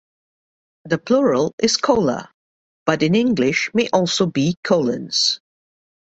The plural is '-cola' but in English may also be '-colons'.